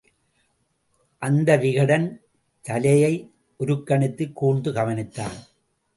அந்த விகடன், தலையை ஒருக்கணித்துக் கூர்ந்து கவனித்தான்.